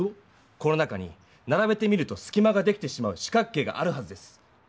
この中にならべてみるとすきまができてしまう四角形があるはずです。